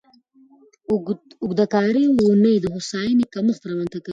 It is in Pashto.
اوږده کاري اونۍ د هوساینې کمښت رامنځته کوي.